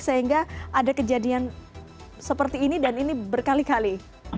sehingga ada kejadian seperti ini dan ini berkali kali